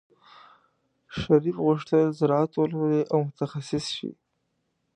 شریف غوښتل زراعت ولولي او متخصص شي.